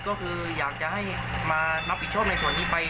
ก็คืออยากจะให้มารับผิดชอบในส่วนนี้ไป